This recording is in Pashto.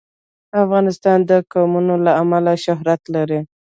افغانستان د قومونه له امله شهرت لري.